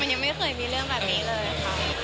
ยังไม่เคยมีเรื่องแบบนี้เลยค่ะ